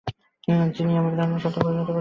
যিনি আমার ধারণাকে সত্যে পরিণত করেছেন।